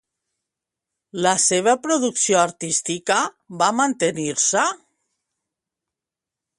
La seva producció artística va mantenir-se?